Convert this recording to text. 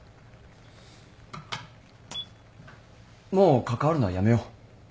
もう関わるのはやめよう。